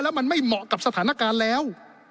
แล้วมันไม่เหมาะกับสถานการณ์แล้ว